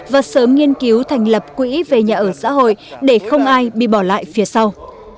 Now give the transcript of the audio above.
và sớm nghiên cứu thành lập quỹ về nhà ở xã hội để không ai bị bỏ lại phía sau